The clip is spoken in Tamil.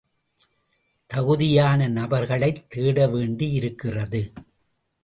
தகுதியான நபர்களைத் தேடவேண்டியிருக்கிறது.